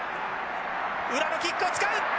裏のキックを使う。